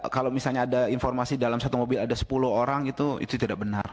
kalau misalnya ada informasi dalam satu mobil ada sepuluh orang itu tidak benar